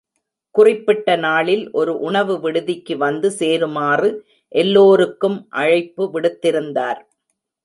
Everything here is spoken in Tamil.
குறிப்பிட்ட நாளில், ஒரு உணவு விடுதிக்கு வந்து சேருமாறு எல்லோருக்கும் அழைப்பு விடுத்திருந்தார்.